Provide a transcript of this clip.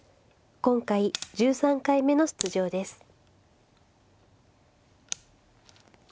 今回１３回目の出場です。